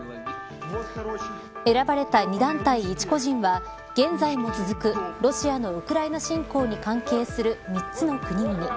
選ばれた２団体１個人は現在も続くロシアのウクライナ侵攻に関係する３つの国々。